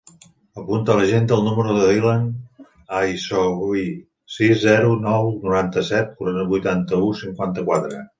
Apunta a l'agenda el número del Dylan Aissaoui: sis, zero, nou, noranta-set, vuitanta-u, cinquanta-quatre.